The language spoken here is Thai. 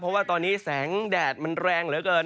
เพราะว่าตอนนี้แสงแดดมันแรงเหลือเกิน